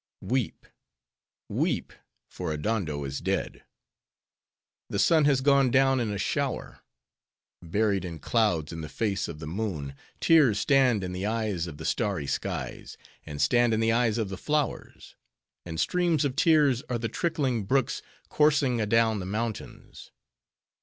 Weep, weep, for Adondo, is dead! The sun has gone down in a shower; Buried in clouds in the face of the moon; Tears stand in the eyes of the starry skies, And stand in the eyes of the flowers; And streams of tears are the trickling brooks, Coursing adown the mountains.